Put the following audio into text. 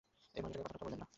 এই মহিলাটি কথাটথা বলেন না।